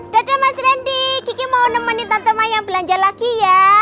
dadah mas rendy kiki mau nemenin tante mayang belanja lagi ya